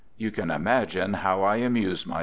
You can imagine how I amuse myself!